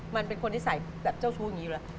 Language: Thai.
มันเป็นคนนิสัยแบบเจ้าชู้อย่างนี้อยู่แล้ว